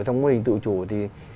xong quá trình tự chủ thì